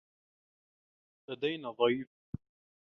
لدينا ضيف.